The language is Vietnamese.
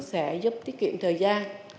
sẽ giúp tiết kiệm thời gian